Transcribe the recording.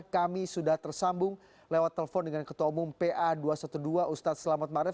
kami sudah tersambung lewat telepon dengan ketua umum pa dua ratus dua belas ustadz selamat maret